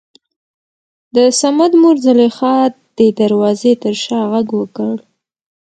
دصمد مور زليخا دې دروازې تر شا غږ وکړ.